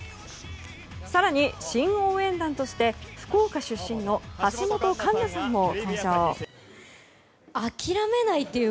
更に、新応援団として福岡出身の橋本環奈さんも登場。